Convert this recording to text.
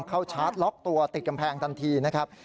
ชาร์จล็อกตัวติดกำแพงทันทีนะครับ